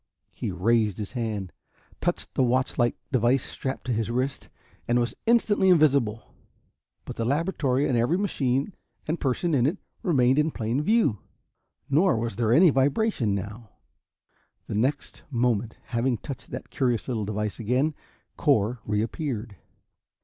He raised his hand, touched a watch like device strapped to his wrist and was instantly invisible. But the laboratory and every machine and person in it remained in plain view. Nor was there any vibration now. The next moment, having touched that curious little device again, Cor reappeared.